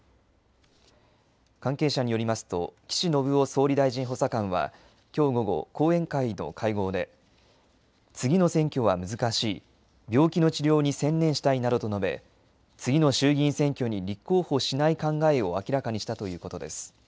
関係者によりますと岸信夫総理大臣補佐官はきょう午後後援会の会合で、次の選挙は難しい病気の治療に専念したいなどと述べ、次の衆議院選挙に立候補しない考えを明らかにしたということです。